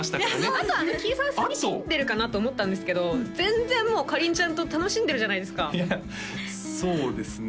あとはキイさん寂しんでるかなと思ったんですけど全然もうかりんちゃんと楽しんでるじゃないですかいやそうですね